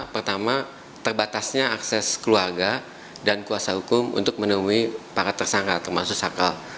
pertama terbatasnya akses keluarga dan kuasa hukum untuk menemui para tersangka termasuk sakal